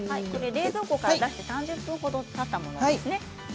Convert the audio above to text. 冷蔵庫から出して３０分ほどたったものです。